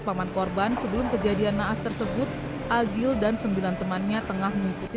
paman korban sebelum kejadian naas tersebut agil dan sembilan temannya tengah mengikuti